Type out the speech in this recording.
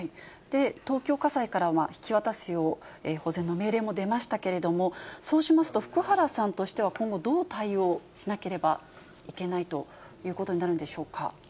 東京家裁からは引き渡すよう保全の命令も出ましたけれども、そうしますと、福原さんとしては今後、どう対応しなければいけないということになるんでしょうか。